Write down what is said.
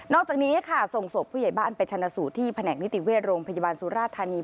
นอกจากนี้ส่งสวบผู้ใหญ่บ้านไปชนะสู่ที่แผนกนิติเวียดโรงพยาบาลสุราธารณี